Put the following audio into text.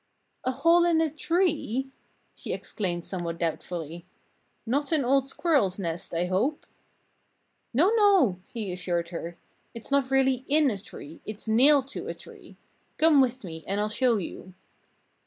"A hole in a tree!" she exclaimed somewhat doubtfully. "Not an old squirrel's nest, I hope?" "No, no!" he assured her. "It's not really in a tree. It's nailed to a tree. Come with me and I'll show you."